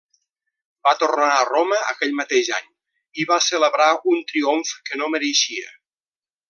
Va tornar a Roma aquell mateix any i va celebrar un triomf que no mereixia.